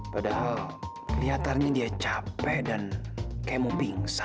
padahal kelihatannya dia capek dan kayak mau pingsan